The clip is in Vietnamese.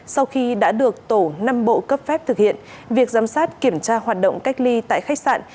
sau khi đã được tổ năm bộ cấp phép thực hiện việc giám sát kiểm tra hoạt động cách ly tại khách sạn